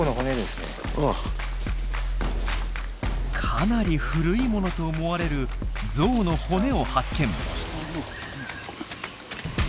かなり古いものと思われるゾウの骨を発見。